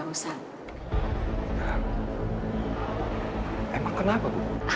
emang kenapa bu